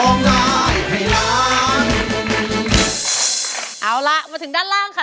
๑ใน๕คนนี้ค่ะ